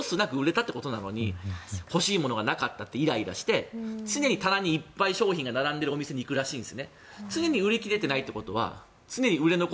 売りきれてるということは全部ロスなく売れたということなのに欲しいものがなかったってイライラして常に棚に商品がいっぱい並んでいるお店に行くらしいんです。